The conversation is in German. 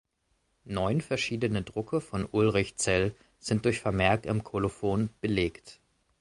Neun verschiedene Drucke von Ulrich Zell sind durch Vermerk im Kolophon belegt.